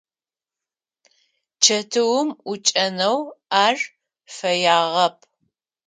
Чэтыум ӏукӏэнэу ар фэягъэп.